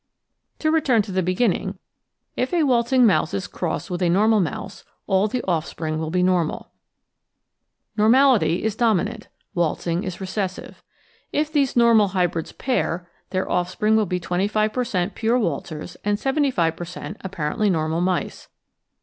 To return to the beginning, if a waltzing mouse is crossed with a normal mouse, all the off spring wiU be normal. Normality is dominant; waltzing is recessive. If these normal hybrids pair, their offspring will be 25 per cent, pure waltzers and 75 per cent, apparently normal mice.